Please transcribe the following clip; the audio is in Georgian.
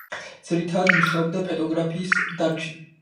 ძირითადად მუშაობდა პეტროგრაფიის დარგში.